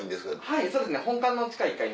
・はいそうですね